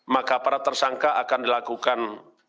maka para tersangka akan dilakukan